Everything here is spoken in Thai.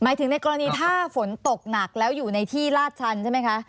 ถึงในกรณีถ้าฝนตกหนักแล้วอยู่ในที่ลาดชันใช่ไหมคะ